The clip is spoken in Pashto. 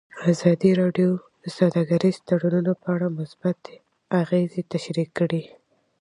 ازادي راډیو د سوداګریز تړونونه په اړه مثبت اغېزې تشریح کړي.